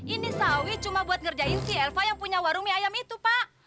ini sawit cuma buat ngerjain si elva yang punya warung mie ayam itu pak